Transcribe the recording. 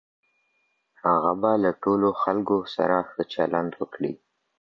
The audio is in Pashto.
هغه به له ټولو خلګو سره ښه چلند وکړي.